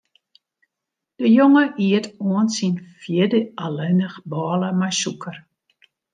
De jonge iet oant syn fjirde allinnich bôle mei sûker.